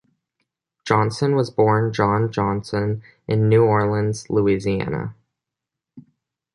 Johnson was born John Johnson in New Orleans, Louisiana.